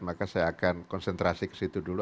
maka saya akan konsentrasi ke situ dulu